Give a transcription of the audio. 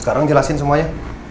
sekarang jelasin semuanya